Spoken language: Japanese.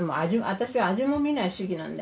私は味もみない主義なんで。